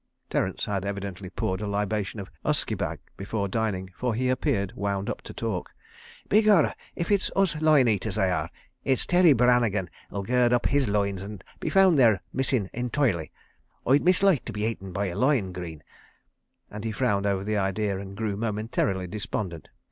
Terence had evidently poured a libation of usquebagh before dining, for he appeared wound up to talk. "Begorra—if ut's loin eaters they are, it's Terry Brannigan'll gird up his loins an' be found there missing entoirely. ... Oi'd misloike to be 'aten by a loin, Greene ..." and he frowned over the idea and grew momentarily despondent.